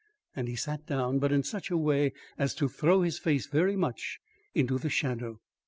And he sat down, but in such a way as to throw his face very much into the shadow.